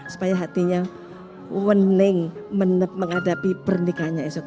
supaya hatinya wening menep menghadapi pernikahannya esok